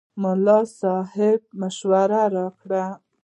ملا صاحب مشوره راکړه.